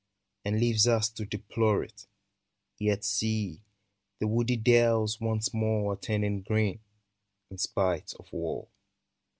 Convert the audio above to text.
And leaves us to deplore it, — Yet see ! the woody dells once more Are turning green, in spite of war.